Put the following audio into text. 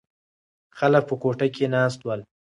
خلک په کوټه کې ناست ول.